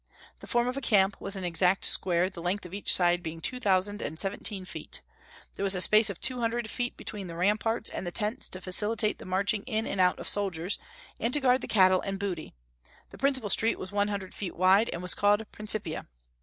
The form of a camp was an exact square, the length of each side being two thousand and seventeen feet; there was a space of two hundred feet between the ramparts and the tents to facilitate the marching in and out of soldiers, and to guard the cattle and booty; the principal street was one hundred feet wide, and was called Principia.